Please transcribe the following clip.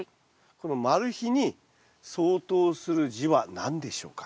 このマル秘に相当する字は何でしょうか？